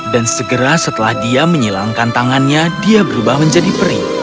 dan segera setelah dia menyilangkan tangannya dia berubah menjadi peri